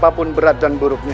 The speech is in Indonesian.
betapapun berat dan buruknya